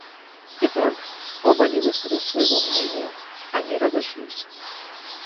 И так, оба не высказав своего мнения, они разошлись.